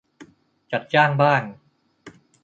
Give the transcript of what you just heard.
จัดจ้างบ้าง